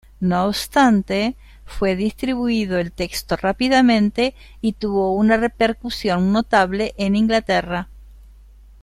No obstante, fue distribuido el texto rápidamente y tuvo una repercusión notable en Inglaterra.